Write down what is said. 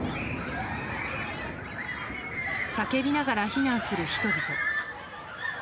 叫びながら避難する人々。